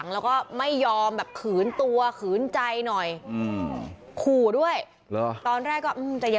นี่นี่นี่นี่นี่นี่นี่